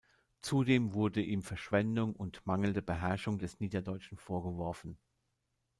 Zudem wurde ihm Verschwendung und mangelnde Beherrschung des Niederdeutschen vorgeworfen.